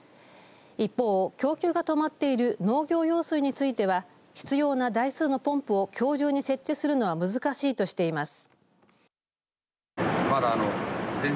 一方、供給が止まっている農業用水については必要な台数のポンプがきょう中に設置するのは難しいとしています。